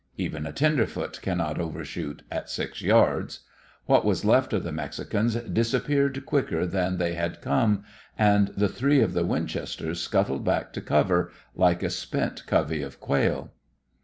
Even a tenderfoot cannot over shoot at six yards. What was left of the Mexicans disappeared quicker than they had come, and the three of the Winchesters scuttled back to cover like a spent covey of quail.